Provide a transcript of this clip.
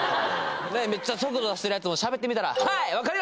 めっちゃ速度出してるヤツもしゃべってみたら。